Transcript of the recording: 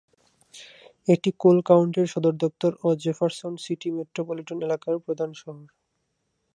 এটি কোল কাউন্টির সদর দপ্তর ও জেফারসন সিটি মেট্রোপলিটন এলাকার প্রধান শহর।